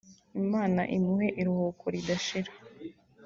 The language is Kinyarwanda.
Imana imuhe iruho ridashira